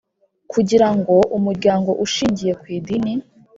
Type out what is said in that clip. Kugira ngo umuryango ushingiye ku idini